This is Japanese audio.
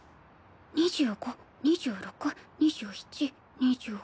２５２６２７２８。